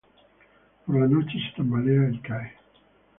Por la noche, se tambalea y cae.